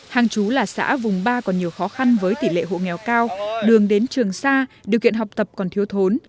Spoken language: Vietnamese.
hàng chú là xã vùng ba còn nhiều khó khăn với tỷ lệ hộ nghèo cao đường đến trường xa điều kiện học tập còn thiếu thốn